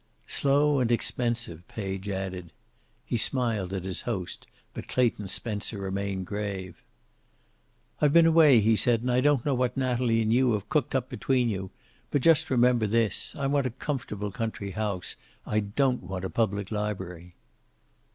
"Slow and expensive," Page added. He smiled at his host, but Clayton Spencer remained grave. "I've been away," he said, "and I don't know what Natalie and you have cooked up between you. But just remember this: I want a comfortable country house. I don't want a public library."